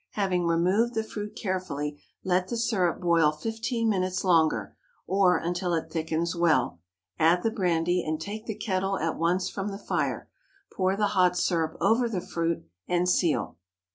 Having removed the fruit carefully, let the syrup boil fifteen minutes longer, or until it thickens well; add the brandy, and take the kettle at once from the fire; pour the hot syrup over the fruit, and seal.